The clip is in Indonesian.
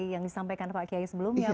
yang disampaikan pak kiai sebelumnya